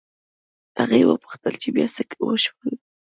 هغې وپوښتل چې بيا څه وشول